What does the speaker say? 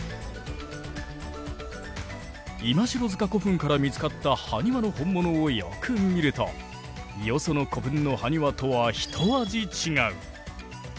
今城塚古墳から見つかったハニワの本物をよく見るとよその古墳のハニワとは一味違う。